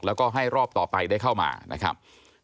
แล้วก็ให้รอบต่อไปได้เข้ามานะครับ